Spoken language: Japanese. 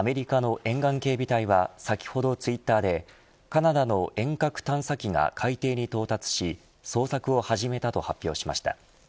アメリカの沿岸警備隊は先ほどツイッターでカナダの遠隔探査機が海底に到達し捜索を始めたと発表しました。